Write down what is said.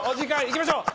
いきましょう。